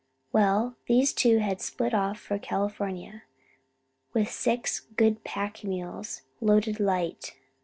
Well, these two had split off for California, with six good pack mules, loaded light.